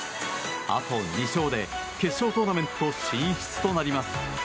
あと２勝で決勝トーナメント進出となります。